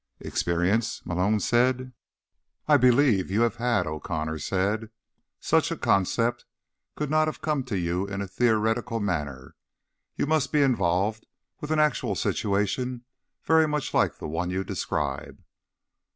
"Experience?" Malone said. "I believe you have had," O'Connor said. "Such a concept could not have come to you in a theoretical manner. You must be involved with an actual situation very much like the one you describe."